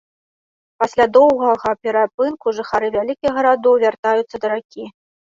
Пасля доўгага перапынку жыхары вялікіх гарадоў вяртаюцца да ракі.